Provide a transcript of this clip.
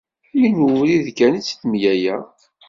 Yiwen webrid kan i tt-id mlaleɣ.